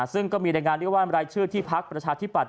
ซึ่งก็มีรายงานเรียกว่ารายชื่อที่พักประชาธิปัต